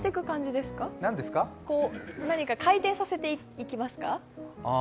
何か回転させていきますか？